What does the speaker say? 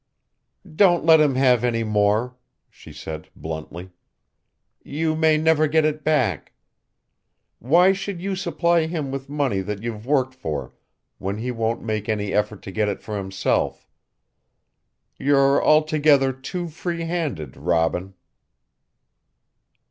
"Don't let him have any more," she said bluntly. "You may never get it back. Why should you supply him with money that you've worked for when he won't make any effort to get it for himself? You're altogether too free handed, Robin."